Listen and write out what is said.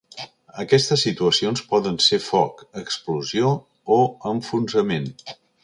Aquestes situacions poden ser foc, explosió o enfonsament.